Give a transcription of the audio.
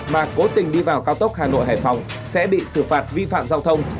mà cố tình đi vào cao tốc hà nội hải phòng sẽ bị xử phạt vi phạm giao thông